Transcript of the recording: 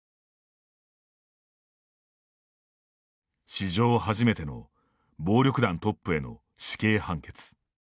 史上初めての暴力団トップへの死刑判決。